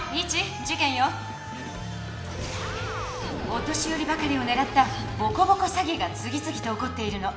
お年よりばかりをねらったボコボコ詐欺が次つぎと起こっているの。